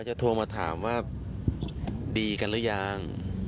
โทรมาถามว่าดีกันหรือยัง